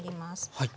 はい。